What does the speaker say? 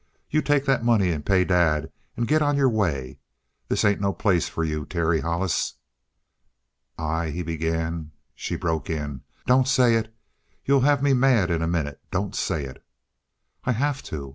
You take that money and pay Dad, and get on your way. This ain't no place for you, Terry Hollis." "I " he began. She broke in: "Don't say it. You'll have me mad in a minute. Don't say it." "I have to.